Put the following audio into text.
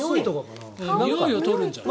においを取るんじゃない？